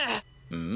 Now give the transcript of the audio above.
うん？